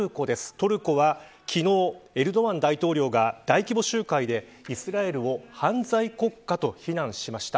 トルコは、昨日エルドアン大統領が大規模集会でイスラエルを犯罪国家と非難しました。